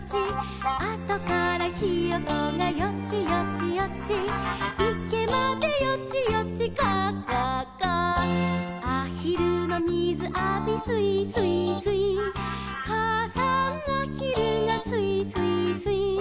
「あとからひよこがよちよちよち」「いけまでよちよちガァガァガァ」「あひるのみずあびすいすいすい」「かあさんあひるがすいすいすい」